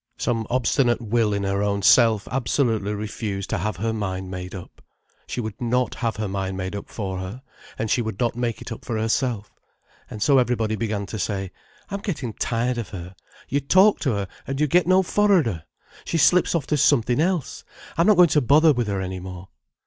Some obstinate will in her own self absolutely refused to have her mind made up. She would not have her mind made up for her, and she would not make it up for herself. And so everybody began to say "I'm getting tired of her. You talk to her, and you get no forrarder. She slips off to something else. I'm not going to bother with her any more."